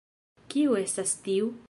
Kiu estas tiu?